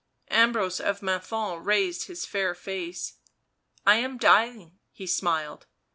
Ambrose of Menthon raised his fair face. " I am dying," he smiled.